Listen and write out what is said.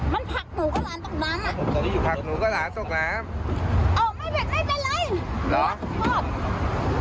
มันผักหนูก็หลานตกน้ำอ่ะผักหนูก็หลานตกน้ำอ่อไม่เป็นไม่เป็นไร